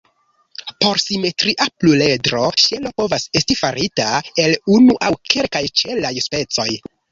Por simetria pluredro, ŝelo povas esti farita el unu aŭ kelkaj ĉelaj specoj.